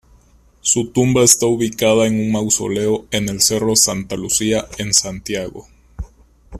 Su tumba está ubicada en un mausoleo en el cerro Santa Lucía en Santiago.